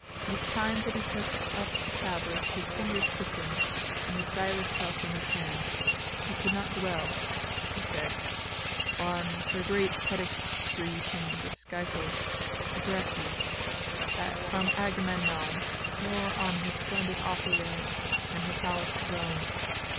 Each time that he took up the tablets his fingers stiffened and the stylus fell from his hand. He could not dwell," he said, "on her great pedigree from the Scipios, the Gracchi, from Agamemnon, nor on her splendid opulence and her palace at Rome.